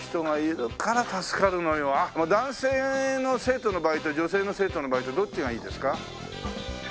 男性の生徒の場合と女性の生徒の場合とどっちがいいですか？